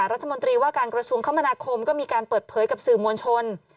รัฐมนตรีว่าการกระทรวงคมนาคมก็มีการเปิดเผยกับสื่อมวลชน